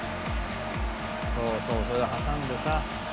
「そうそうそれを挟んでさ」